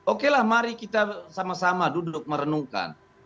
oke lah mari kita sama sama duduk merenungkan